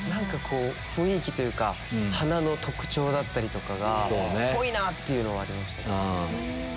雰囲気というか鼻の特徴だったりとかがぽいなぁっていうのはありました。